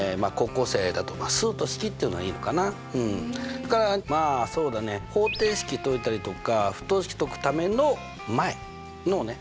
それからまあそうだね方程式解いたりとか不等式解くための前のね